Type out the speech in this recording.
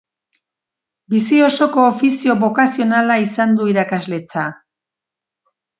Bizi osoko ofizio bokazionala izan du irakasletza.